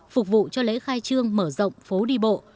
phục vụ cho lễ khai trương mở rộng phố đi bộ